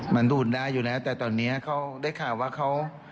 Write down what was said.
มันดูดได้อยู่แล้วแต่ตอนนี้เขาได้ข่าวว่าเขา